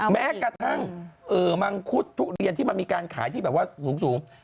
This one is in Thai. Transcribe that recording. แม้กระทั่งเออมังคุฒทุเรียนที่มันมีการขายที่โสน